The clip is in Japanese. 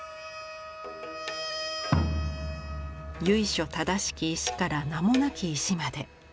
由緒正しき石から名もなき石まで。